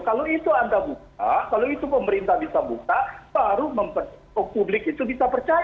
kalau itu anda buka kalau itu pemerintah bisa buka baru publik itu bisa percaya